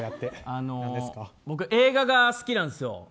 僕、映画が好きなんです。